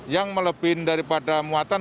yang melebih daripada muatan